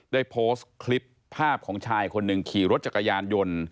ได้โพสต์คลิปภาพของชายคนหนึ่งขี่รถจักรยานยนต์